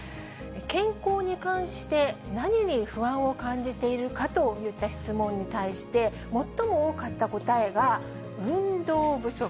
健康に関して、何に不安を感じているかといった質問に対して、最も多かった答えが運動不足。